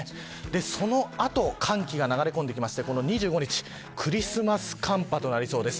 そのあと寒気が流れ込んできて２５日クリスマス寒波となりそうです。